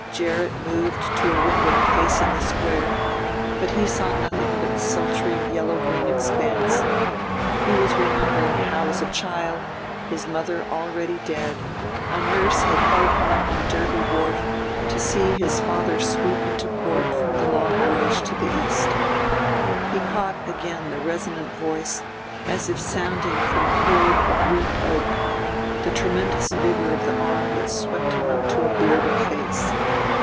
Gerrit moved to a window facing the Square; but he saw nothing of its sultry yellow green expanse he was remembering how as a child, his mother already dead, a nurse had held him up on Derby Wharf to see his father sweep into port from the long voyage to the East. He caught again the resonant voice, as if sounding from a hold of ribbed oak, the tremendous vigor of the arm that swept him up to a bearded face.